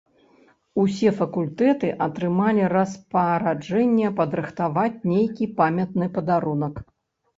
Усе факультэты атрымалі распараджэнне падрыхтаваць нейкі памятны падарунак.